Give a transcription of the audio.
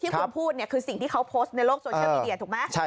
คุณพูดเนี่ยคือสิ่งที่เขาโพสต์ในโลกโซเชียลมีเดียถูกไหม